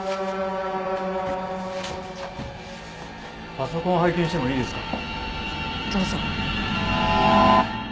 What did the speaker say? パソコンを拝見してもいいですか？